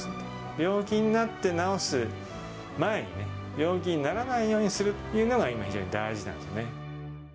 病気になって治す前に、病気にならないようにするっていうのが今、非常に大事なんですね。